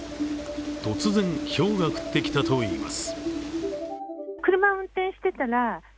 突然、ひょうが降ってきたといいます。